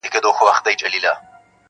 سمدستي یې سوله خلاصه د زړه غوټه -